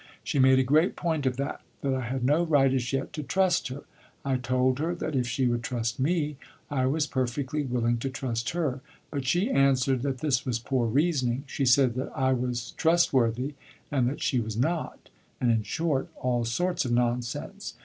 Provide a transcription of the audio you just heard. She made a great point of that that I had no right, as yet, to trust her. I told her that if she would trust me, I was perfectly willing to trust her; but she answered that this was poor reasoning. She said that I was trustworthy and that she was not, and in short, all sorts of nonsense.